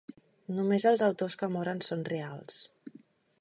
Només els autors que moren són reals.